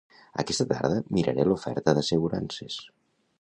Aquesta tarda miraré l'oferta d'assegurances